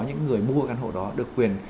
những người mua căn hộ đó được quyền